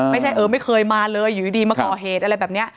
ไม่ใช่เออไม่เคยมาเลยอยู่ดีมาก่อเหตุอะไรแบบนี้